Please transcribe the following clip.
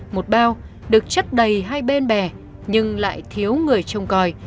một bao được chất đầy hai bên bè nhưng lại thiếu người trông coi